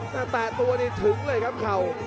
แต่แตะตัวนี่ถึงเลยครับเข่า